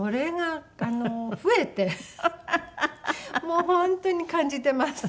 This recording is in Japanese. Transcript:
もう本当に感じてます。